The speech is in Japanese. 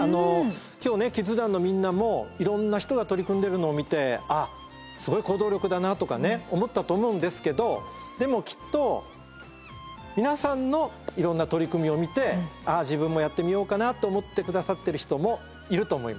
今日ねキッズ団のみんなもいろんな人が取り組んでるのを見てあっすごい行動力だなとかね思ったと思うんですけどでもきっと皆さんのいろんな取り組みを見てああ自分もやってみようかなと思って下さってる人もいると思います。